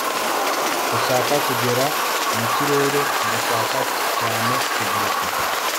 ndashaka kugera mu kirere; ndashaka cyane kuguruka